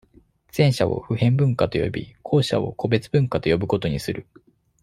前者を、普遍文化と呼び、後者を、個別文化と呼ぶことにする。